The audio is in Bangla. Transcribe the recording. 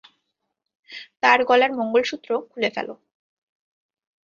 তার গলার মঙ্গলসূত্র খুলে ফেলো।